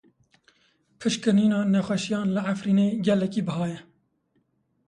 Pişkinîna nexweşiyan li Efrînê gelekî biha ye.